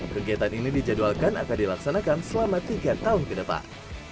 kegiatan ini dijadwalkan akan dilaksanakan selama tiga tahun kedepan